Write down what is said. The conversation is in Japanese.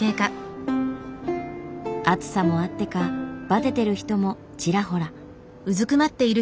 暑さもあってかばててる人もちらほら。